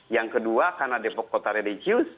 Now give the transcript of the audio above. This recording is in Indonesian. yang kedua karena depok kota religius